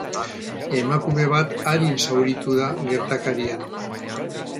Emakume bat arin zauritu da gertakarian.